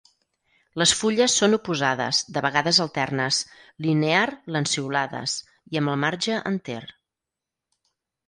Les fulles són oposades, de vegades alternes, linear-lanceolades i amb el marge enter.